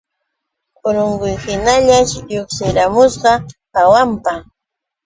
Urunquyhiñallash lluqsiramusa kahanpa.